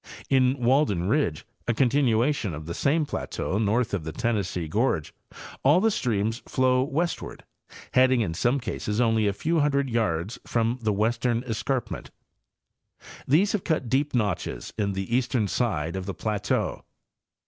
In Walden ridge, a continuation of the same plateau north of the Tennessee gorge, all the streams flow east ward, heading in some cases only a few hundred yards from the western escarpment. These have cut deep notches in the eastern side of the plateau.